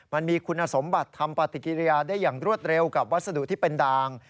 มันมีคุณสมบัติทำปฏิกิริยาได้อย่างรวดเร็วกับวัสดุที่เป็นด่าง